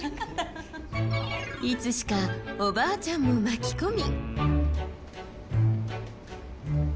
いつしかおばあちゃんも巻き込み。